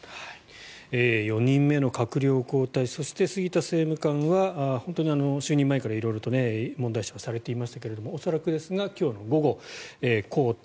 ４人目の閣僚交代そして杉田政務官は本当に就任前から色々と問題視されていましたが恐らくですが今日の午後、交代。